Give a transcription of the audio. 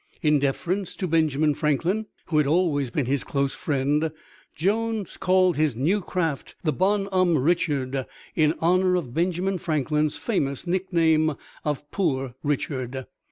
In deference to Benjamin Franklin who had always been his close friend Jones called his new craft the Bonhomme Richard, in honor of Benjamin Franklin's famous nickname of "Poor Richard."